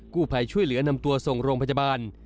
ผู้ภัยช่วยเหลือนำตัวส่งโรงพยาบาล